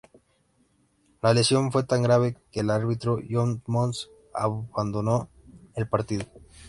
La lesión fue tan grave que el árbitro, John Moss, abandonó el partido.